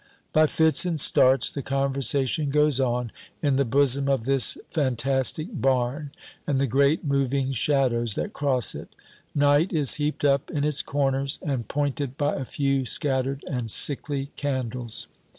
By fits and starts the conversation goes on in the bosom of this fantastic barn and the great moving shadows that cross it; night is heaped up in its corners, and pointed by a few scattered and sickly candles.